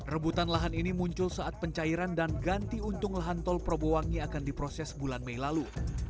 rebutan lahan ini muncul saat pencairan dan ganti untung lahan tol probowangi akan diproses bulan mei lalu